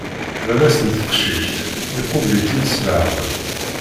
Baba-s n teqcict, iqubel-itt-id s leɛqel.